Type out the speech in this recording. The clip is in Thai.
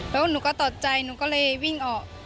ผมก็ตัดใจผมก็เลยวิ่งออก